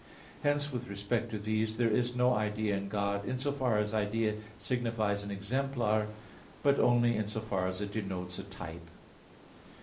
Hence, with respect to these there is no idea in God in so far as idea signifies an "exemplar" but only in so far as it denotes a "type."